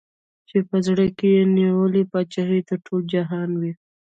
چي په زړه کي یې نیولې پاچهي د ټول جهان وي